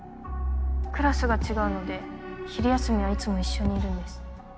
クラスが違うので昼休みはいつも一緒にいるんです。